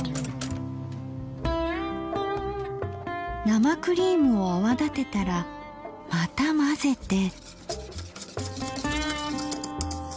生クリームを泡立てたらまた混ぜて。